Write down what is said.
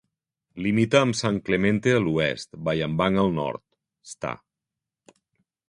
Limita amb San Clemente a l'oest, Bayambang al nord, Sta.